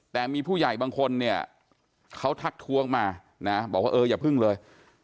แต่มีผู้ใหญ่บางคนเนี่ยเขาทักทวงมานะบอกว่าเอออย่าพึ่งเลย